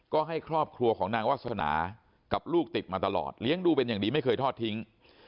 ก็ให้ครอบครัวของนางวาสนากับลูกติดมาตลอดเลี้ยงดูเป็นอย่างดีไม่เคยทอดทิ้ง